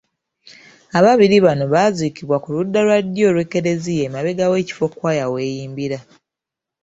Ababiri bano baaziikibwa ku ludda olwa ddyo olw'Eklezia emabega w'ekifo Kkwaya w'eyimbira.